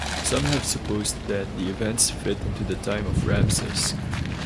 Some have supposed that the events fit into the time of Ramses.